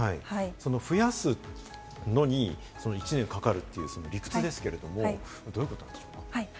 増やすのに、１年かかるという理屈ですけれども、どういうことなんでしょうか？